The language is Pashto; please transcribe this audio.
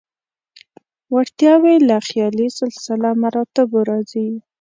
وړتیاوې له خیالي سلسله مراتبو راځي.